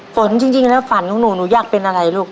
ฝนจริงแล้วฝันของหนูหนูอยากเป็นอะไรลูก